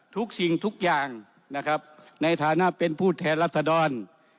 ทุกสิ่งทุกอย่างนะครับในฐานะเป็นผู้แทนรัศดร